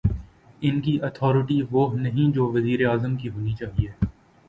ان کی اتھارٹی وہ نہیں جو وزیر اعظم کی ہونی چاہیے۔